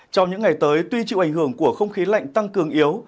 trong những ngày tới tuy chịu ảnh hưởng của không khí lạnh tăng cường yếu